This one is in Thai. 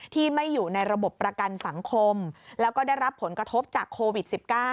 ที่ไม่อยู่ในระบบประกันสังคมแล้วก็ได้รับผลกระทบจากโควิด๑๙